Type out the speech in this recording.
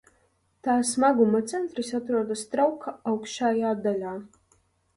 Tā smaguma centrs atrodas trauka augšējā daļā.